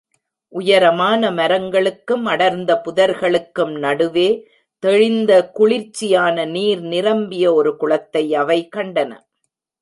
உயரமான மரங்களுக்கும், அடர்ந்த புதர்களுக்கும் நடுவே, தெளிந்த குளிர்ச்சியான நீர் நிரம்பிய ஒரு குளத்தை அவை கண்டன.